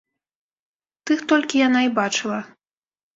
Тых толькі яна і бачыла.